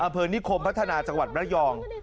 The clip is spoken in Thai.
อำเภอนิคมพัฒนาจังหวัดระยอง